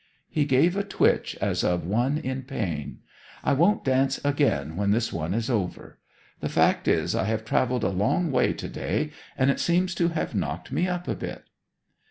He gave a twitch, as of one in pain. 'I won't dance again when this one is over. The fact is I have travelled a long way to day, and it seems to have knocked me up a bit.'